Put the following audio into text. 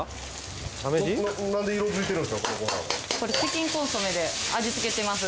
これチキンコンソメで味つけてます。